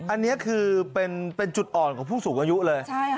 อันนี้คือเป็นเป็นจุดอ่อนของผู้สูงอายุเลยใช่ค่ะ